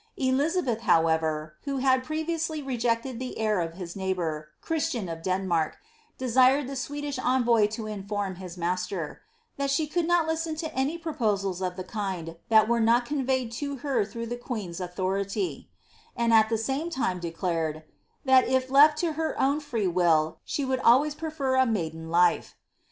Elizabeth, however, wlio had previously rejected the heir of his neighbour, Chris* liin of Denmark, desired the Swedish envoy to inform his master ^ that she could not listen to any proposals of the kind that were not conveyed to her through the queen's authority," and at the same time declared, *^that if lefl to her own free will she would always prefer a maiden life.''